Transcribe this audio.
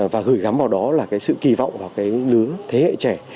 và gửi gắm vào đó là cái sự kỳ vọng vào cái lứa thế hệ trẻ